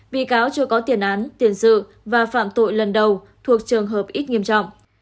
bị cáo chưa có tiền án tiền sự và phạm tội lần đầu thuộc trường hợp ít nghiêm trọng